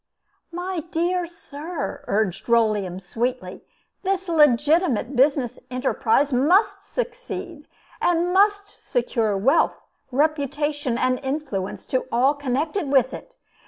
"My dear Sir," urged Rolleum, sweetly, "this legitimate business enterprise must succeed, and must secure wealth, reputation, and influence to all connected with it.